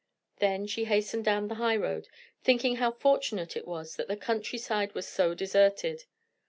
Then she hastened down the high road, thinking how fortunate it was that the country side was so deserted.